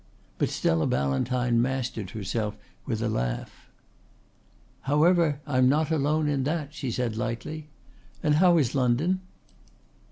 But Stella Ballantyne mastered herself with a laugh. "However I am not alone in that," she said lightly. "And how's London?"